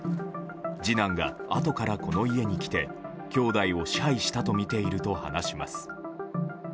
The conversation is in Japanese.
次男があとからこの家に来てきょうだいを支配したとみていると話します。